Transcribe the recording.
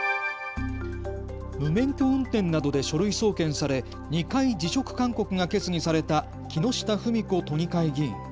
無免許運転などで書類送検され２回、辞職勧告が決議された木下富美子都議会議員。